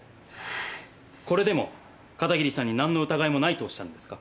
これでも「片桐さんになんの疑いもない」とおっしゃるんですか。